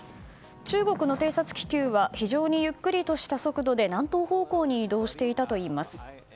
中国の偵察気球は非常にゆっくりとした速度で南東方向へ移動していたということです。